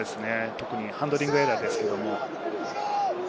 特にハンドリングエラーです。